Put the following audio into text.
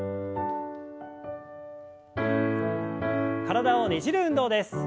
体をねじる運動です。